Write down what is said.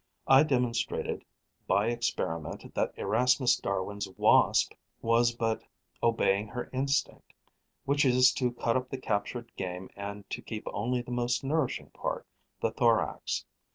I demonstrated by experiment that Erasmus Darwin's Wasp was but obeying her instinct, which is to cut up the captured game and to keep only the most nourishing part, the thorax.